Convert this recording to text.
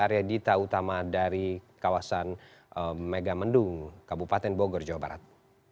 arya dita utama dari kawasan megamendung kabupaten bogor jawa barat